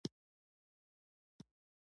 کوثر زما لور ده.